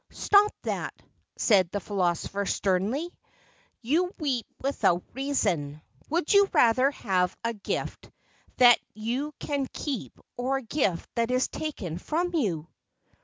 "Stop that," said the philosopher sternly; "you weep without reason; would you rather have a gift that you can keep or a gift that is taken from you?"